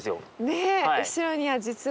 ねえ後ろには実は。